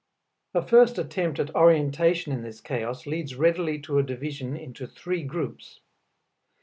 A first attempt at orientation in this chaos leads readily to a division into three groups.